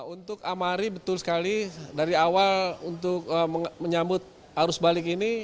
untuk amari betul sekali dari awal untuk menyambut arus balik ini